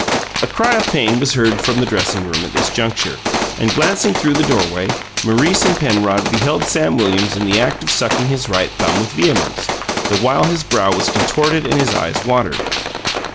A cry of pain was heard from the dressing room at this juncture, and, glancing through the doorway, Maurice and Penrod beheld Sam Williams in the act of sucking his right thumb with vehemence, the while his brow was contorted and his eyes watered.